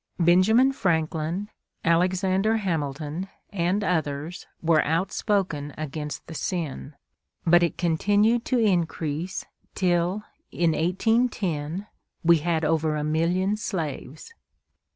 Benjamin Franklin, Alexander Hamilton, and others were outspoken against the sin; but it continued to increase till, in 1810, we had over a million slaves.